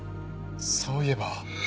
そういえば。